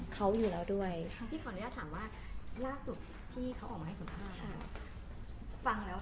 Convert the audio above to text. เขาอยู่แล้วด้วยพี่ขออนุญาตถามว่าล่าสุดที่เขาออกมาให้สัมภาษณ์ฟังแล้ว